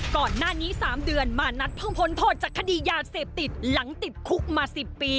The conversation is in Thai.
ก่อนหน้านี้๓เดือนมานัดเพิ่งพ้นโทษจากคดียาเสพติดหลังติดคุกมา๑๐ปี